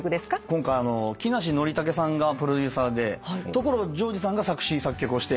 今回木梨憲武さんがプロデューサーで所ジョージさんが作詞作曲をしていただけて。